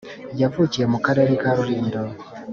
yavukiye mu karere ka rulindo,